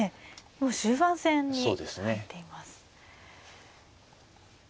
もう終盤戦に入っています。